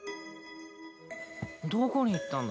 どこに行ったんだ？